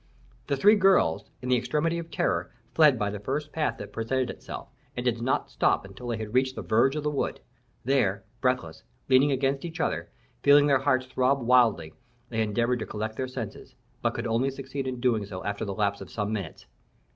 The three girls, in the extremity of terror, fled by the first path that presented itself, and did not stop until they had reached the verge of the wood. There, breathless, leaning against each other, feeling their hearts throb wildly, they endeavored to collect their senses, but could only succeed in doing so after the lapse of some minutes.